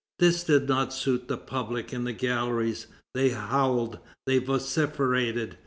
This did not suit the public in the galleries. They howled, they vociferated.